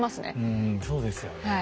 うんそうですよね。